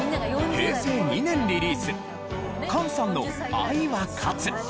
平成２年リリースＫＡＮさんの『愛は勝つ』。